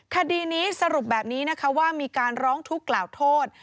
คดีนี้สรุปแบบนี้นะคะว่ามีการร้องทุกข์กล่าวโทษ